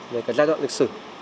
về cái giai đoạn lịch sử